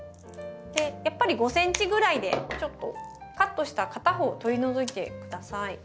やっぱり５ｃｍぐらいでちょっとカットした片方取り除いて下さい。